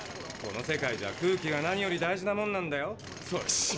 この世界じゃ空気が何より大事なもんなんだよ。